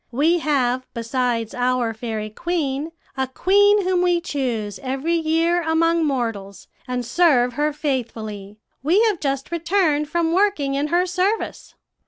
We have, besides our fairy queen, a queen whom we choose every year among mortals, and serve her faithfully. We have just returned from working in her service.'